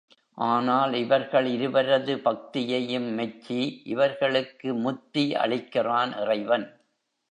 ஆனால் இவர்கள் இருவரது பக்தியையும் மெச்சி, இவர்களுக்கு முத்தி அளிக்கிறான் இறைவன்.